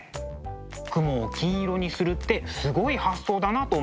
雲を金色にするってすごい発想だなと思ったんです。